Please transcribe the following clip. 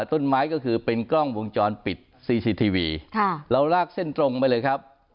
ต้นไม้ก็คือเป็นกล้องวงจรปิดซีซีทีวีค่ะเราลากเส้นตรงไปเลยครับ